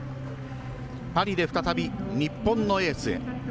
パリで再び日本のエースへ。